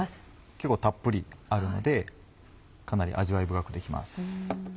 結構たっぷりあるのでかなり味わい深くできます。